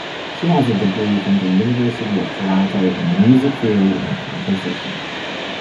She has a degree from the University of Toronto in music theory and composition.